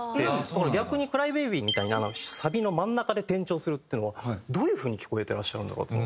だから逆に『ＣｒｙＢａｂｙ』みたいにサビの真ん中で転調するっていうのはどういう風に聴こえてらっしゃるんだろうと。